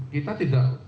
kita tidak memperkenalkan